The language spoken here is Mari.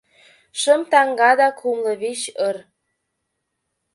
Шым таҥга да кумлывичыр...